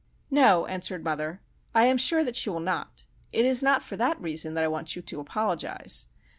"No," answered mother. "I am sure that she will not. It is not for that reason that I want you to apologise.